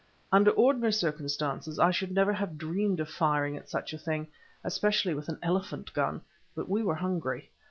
Under ordinary circumstances I should never have dreamed of firing at such a thing, especially with an elephant gun, but we were hungry.